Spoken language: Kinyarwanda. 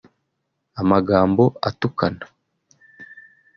amagambo atukana